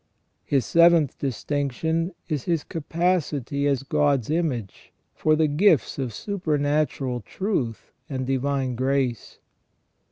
His seventh distinction is his capacity as God's image for the gifts of supernatural truth and divine grace.